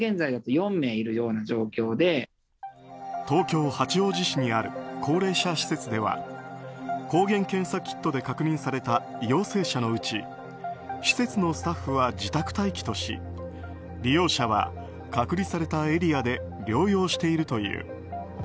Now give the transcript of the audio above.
東京・八王子市にある高齢者施設では抗原検査キットで確認された陽性者のうち施設のスタッフは自宅待機とし利用者は隔離されたエリアで療養しているという。